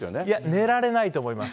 寝られないと思います。